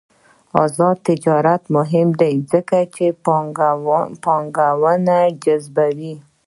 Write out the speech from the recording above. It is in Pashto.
آزاد تجارت مهم دی ځکه چې پانګونه جذبوي.